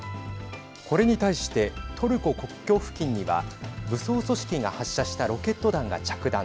これに対してトルコ国境付近には武装組織が発射したロケット弾が着弾。